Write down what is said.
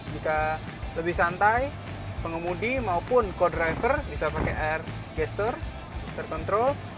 jika lebih santai pengemudi maupun co driver bisa pakai air gestur terkontrol